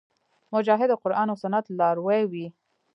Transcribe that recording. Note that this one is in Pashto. مجاهد د قرآن او سنت لاروی وي.